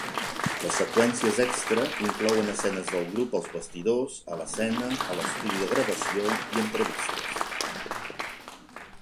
Les seqüències extra inclouen escenes del grup als bastidors, a l'escena, a l'estudi de gravació i entrevistes.